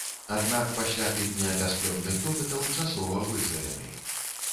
Аднак пасля тыдня бясплённых допытаў часова вызвалены.